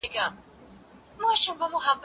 که استاد معلومات ونلري نو لارښوونه نسي کولای.